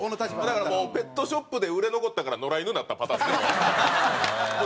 だからもうペットショップで売れ残ったから野良犬になったパターンですよ。